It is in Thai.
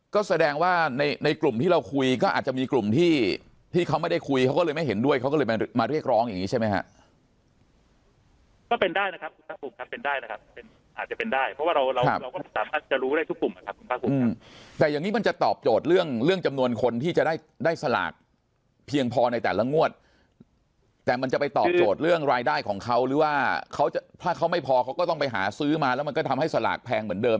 ก็เป็นได้นะครับคุณพระคุณครับเป็นได้นะครับอาจจะเป็นได้เพราะว่าเราก็สามารถจะรู้ได้ทุกปุ่มครับคุณพระคุณครับแต่อย่างนี้มันจะตอบโจทย์เรื่องจำนวนคนที่จะได้ได้สลากเพียงพอในแต่ละงวดแต่มันจะไปตอบโจทย์เรื่องรายได้ของเขาหรือว่าเขาจะถ้าเขาไม่พอเขาก็ต้องไปหาซื้อมาแล้วมันก็ทำให้สลากแพงเหมือนเดิม